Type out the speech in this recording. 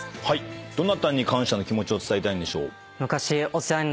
どなたに感謝の気持ちを伝えたいんでしょう？